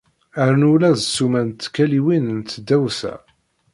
Rnu ula d ssuma n tkaliwin n tdawsa.